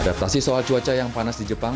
adaptasi soal cuaca yang panas di jepang